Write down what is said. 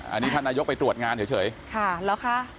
อันนี้ท่านนายกไปตรวจงานเฉยค่ะเหรอคะ